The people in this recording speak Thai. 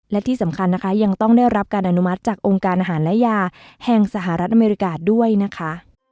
และที่สำคัญนะคะยังต้องได้รับการอนุมัติจากองค์การอาหารและยาแห่งสหรัฐอเมริกาด้วยนะคะ